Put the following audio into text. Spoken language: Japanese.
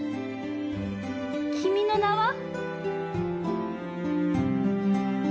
「君の名は。」？